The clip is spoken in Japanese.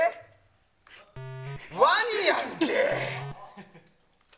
ワニやんけ！